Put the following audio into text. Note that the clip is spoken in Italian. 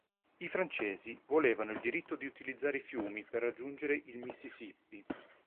I francesi volevano il diritto di utilizzare i fiumi per raggiungere il Mississippi.